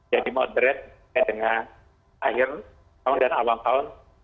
jadi moderate kayak dengan akhir tahun dan awal tahun